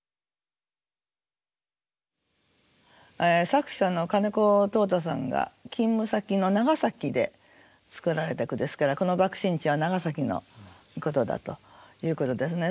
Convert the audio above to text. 作者の金子兜太さんが勤務先の長崎で作られた句ですからこの爆心地は長崎のことだということですね。